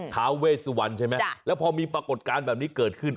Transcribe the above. ท้าเวสวันใช่ไหมแล้วพอมีปรากฏการณ์แบบนี้เกิดขึ้น